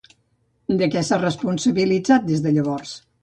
De què s'ha responsabilitzat des de llavors?